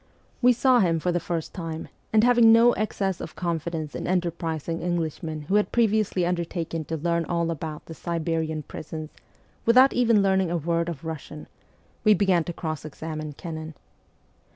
We saw him for the first time, and having no excess of confidence in enterprising Englishmen who had previously undertaken to learn all ahout the Siberian prisons without even learning a word of Russian, we began to cross examine Kennan.